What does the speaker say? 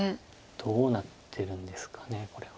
どうなってるんですかねこれは。